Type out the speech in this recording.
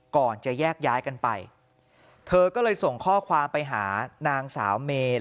ก่อนจะแยกย้ายกันไปเธอก็เลยส่งข้อความไปหานางสาวเมน